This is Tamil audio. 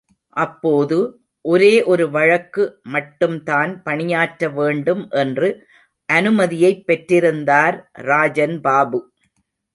அப்போது, ஒரே ஒரு வழக்குக்கு மட்டும் தான் பணியாற்ற வேண்டும் என்று அனுமதியைப் பெற்றிருந்தார் ராஜன் பாபு!